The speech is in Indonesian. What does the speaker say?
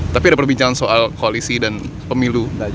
tapi ada perbincangan soal koalisi dan pemilu